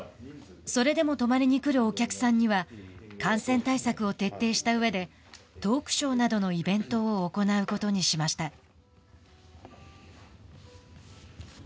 それでも、泊まりに来るお客さんには感染対策を徹底したうえでトークショーなどのイベントを行うことにしました。